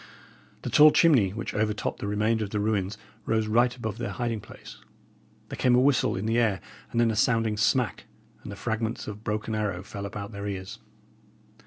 The tall chimney which over topped the remainder of the ruins rose right above their hiding place. There came a whistle in the air, and then a sounding smack, and the fragments of a broken arrow fell about their ears.